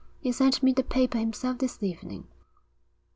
He sent me the paper himself this evening.'